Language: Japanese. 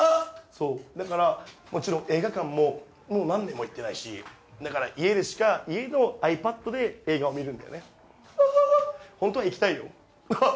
そうだからもちろん映画館ももう何年も行ってないしだから家でしか家のｉＰａｄで映画を見るんだよねわわわっホントは行きたいようはっ